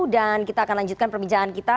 dan kita akan lanjutkan perbincangan kita